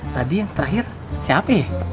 tadi yang terakhir si apoy